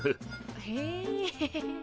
へえ。